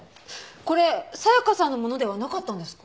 これ紗香さんのものではなかったんですか？